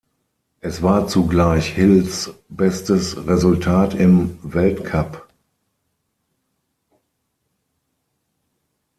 Es war zugleich Hills bestes Resultat im Weltcup.